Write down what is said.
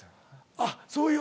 あっそういう。